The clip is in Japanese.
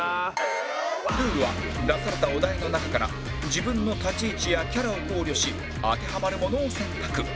ルールは出されたお題の中から自分の立ち位置やキャラを考慮し当てはまるものを選択